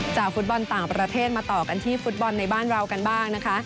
ฟุตบอลต่างประเทศมาต่อกันที่ฟุตบอลในบ้านเรากันบ้างนะคะ